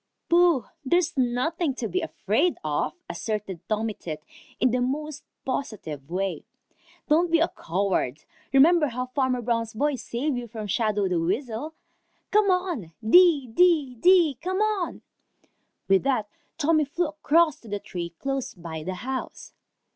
"Pooh! There's nothing to be afraid of," asserted Tommy Tit in the most positive way. "Don't be a coward. Remember how Farmer Brown's boy saved you from Shadow the Weasel. Come on! Dee, dee, dee, come on!" With that Tommy flew across to the tree close by the house.